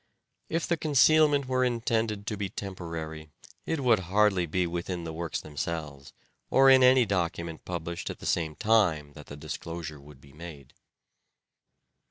If the concealment were intended to be temporary it would hardly be within the works them selves or in any document published at the same time that the disclosure would be made.